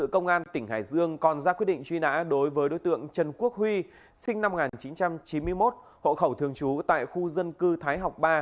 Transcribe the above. công an tỉnh hải dương còn ra quyết định truy nã đối với đối tượng trần quốc huy sinh năm một nghìn chín trăm chín mươi một hộ khẩu thường trú tại khu dân cư thái học ba